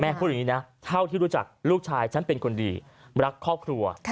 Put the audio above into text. พูดอย่างนี้นะเท่าที่รู้จักลูกชายฉันเป็นคนดีรักครอบครัว